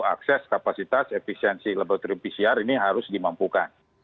akses kapasitas efisiensi laboratorium pcr ini harus dimampukan